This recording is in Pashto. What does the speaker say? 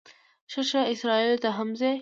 ښه ښه، اسرائیلو ته هم ځې.